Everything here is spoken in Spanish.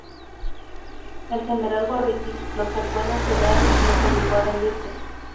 El general Gorriti los cercó en la ciudad y los obligó a rendirse.